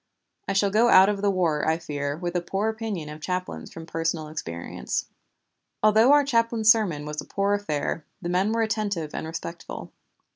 I shall go out of the war, I fear, with a poor opinion of chaplains from personal experience. Although our chaplain's sermon was a poor affair, the men were attentive and respectful.